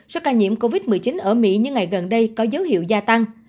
số ca nhiễm covid một mươi chín ở mỹ những ngày gần đây có dấu hiệu gia tăng